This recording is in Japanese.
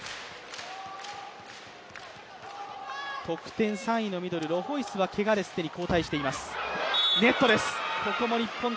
得点３位のミドルロホイスはけがで交代しています。